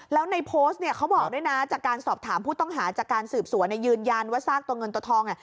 แล้วในโพสต์เนี่ยเขาบอกด้วยนะจากการสอบถามผู้ต้องหาจากการสืบสวนยืนยันว่าซากตัวเงินตัวทอง